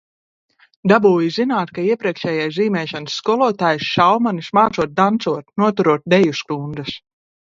Dabūja zināt, ka iepriekšējais zīmēšanas skolotājs, Šaumanis, mācot dancot, noturot deju stundas.